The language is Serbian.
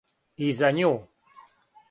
И за њу.